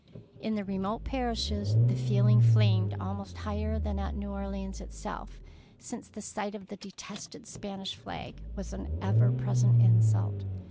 In the remote parishes the feeling flamed almost higher than at New Or leans itself, since the sight of the de tested Spanish flag was an ever present insult.